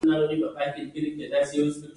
دا برخه له ټلیفون او راډیو سره سروکار لري.